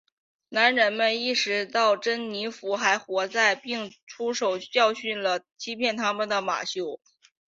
男人们意识到珍妮佛还活着并出手教训了欺骗他们的马修。